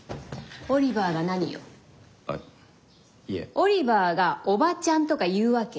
オリバーが「おばちゃん」とか言うわけ？